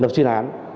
lập truyền án